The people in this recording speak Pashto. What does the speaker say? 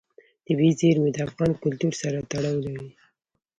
طبیعي زیرمې د افغان کلتور سره تړاو لري.